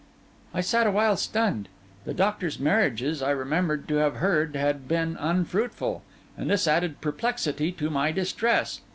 I sat awhile stunned. The doctor's marriages, I remembered to have heard, had been unfruitful; and this added perplexity to my distress.